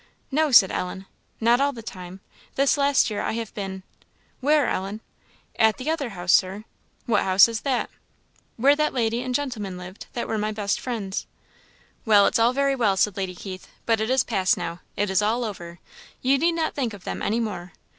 "No," said Ellen, "not all the time; this last year I have been" "Where, Ellen?" "At the other house, Sir." "What house is that?" "Where that lady and gentleman lived that were my best friends." "Well, it's all very well," said Lady Keith; "but it is past now; it is all over, you need not think of them any more.